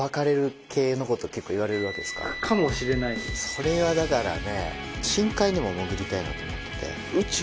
それはだからね。